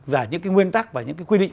và những cái nguyên tắc và những cái quy định